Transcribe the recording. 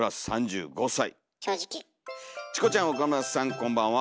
こんばんは！